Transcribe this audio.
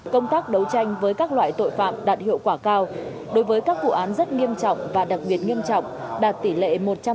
công tác đấu tranh với các loại tội phạm đạt hiệu quả cao đối với các vụ án rất nghiêm trọng và đặc biệt nghiêm trọng đạt tỷ lệ một trăm linh